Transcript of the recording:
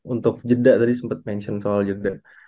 untuk jeda tadi sempat mention soal juga